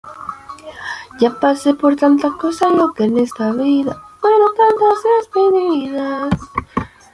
Su límite occidental, por su parte, no se halla tan bien definido.